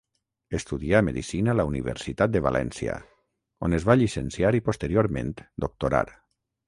Estudià medicina a la Universitat de València, on es va llicenciar i posteriorment doctorar.